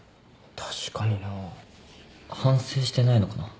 確かにな。反省してないのかな。